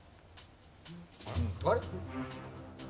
あれ？